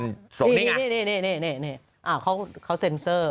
นี่เขาเซ็นเซอร์